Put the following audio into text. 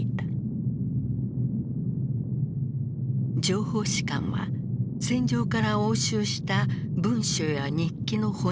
情報士官は戦場から押収した文書や日記の翻訳に当たった。